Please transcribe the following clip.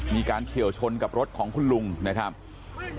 เฉียวชนกับรถของคุณลุงนะครับ